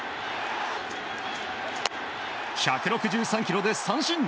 １６３キロで三振！